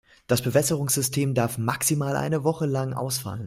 Das Bewässerungssystem darf maximal eine Woche lang ausfallen.